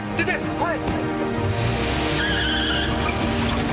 はい！